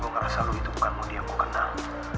gua ngerasa lu itu bukan modi yang gua kenal